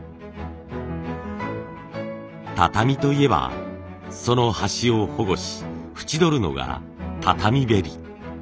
畳といえばその端を保護し縁取るのが畳べり。